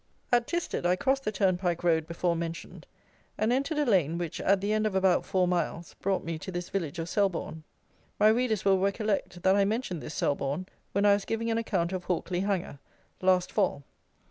At Tisted I crossed the turnpike road before mentioned, and entered a lane which, at the end of about four miles, brought me to this village of Selborne. My readers will recollect that I mentioned this Selborne when I was giving an account of Hawkley Hanger, last fall.